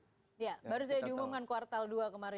ya baru saya diumumkan kuartal dua kemarin